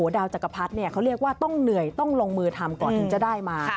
ดาวจักรพรรดิเขาเรียกว่าต้องเหนื่อยต้องลงมือทำก่อนถึงจะได้มา